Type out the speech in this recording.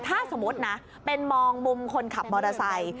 ถ้าสมมุตินะเป็นมองมุมคนขับมอเตอร์ไซค์